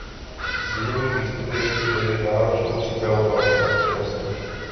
Zimní výstupy vyžadují náročnou přípravu a velké zkušenosti.